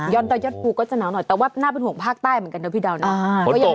ดอยยอดภูก็จะหนาวหน่อยแต่ว่าน่าเป็นห่วงภาคใต้เหมือนกันนะพี่ดาวนะ